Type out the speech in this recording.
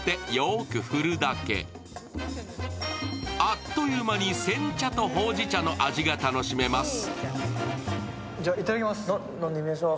あっという間に煎茶とほうじ茶の味が楽しめます。